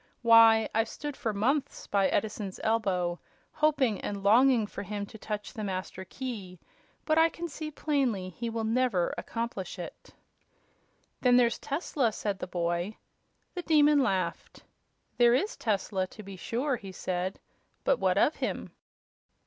Why, I've stood for months by Edison's elbow, hoping and longing for him to touch the Master Key; but I can see plainly he will never accomplish it." "Then there's Tesla," said the boy. The Demon laughed. "There is Tesla, to be sure," he said. "But what of him?"